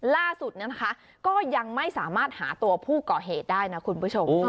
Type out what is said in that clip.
ล่าสุดนะคะก็ยังไม่สามารถหาตัวผู้ก่อเหตุได้นะคุณผู้ชม